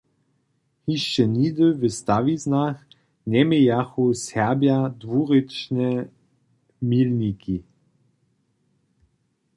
Hišće nihdy w stawiznach njemějachu Serbja dwurěčne milniki.